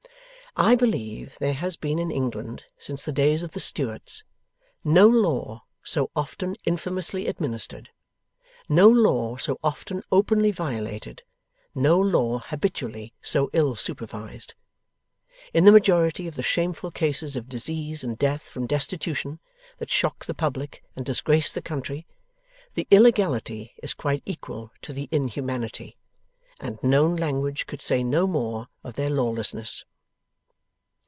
I believe there has been in England, since the days of the STUARTS, no law so often infamously administered, no law so often openly violated, no law habitually so ill supervised. In the majority of the shameful cases of disease and death from destitution, that shock the Public and disgrace the country, the illegality is quite equal to the inhumanity and known language could say no more of their lawlessness.